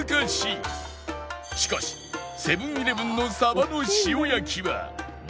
しかしセブン−イレブンのさばの塩焼は